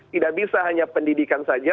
tidak bisa hanya pendidikan saja